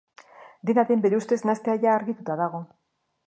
Dena den, bere ustez nahastea jada argituta dago.